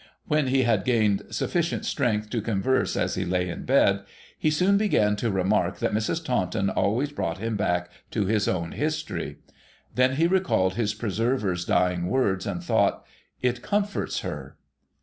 When he had gained sufficient strength to converse as he lay in bed, he soon began to remark that Mrs. Taunton always brought him back to his own history. Then he recalled his preserver's dying words, and thought, ' It comforts her.'